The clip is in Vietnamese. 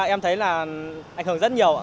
em thấy là ảnh hưởng rất nhiều ạ